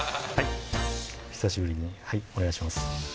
久しぶりにはいお願いします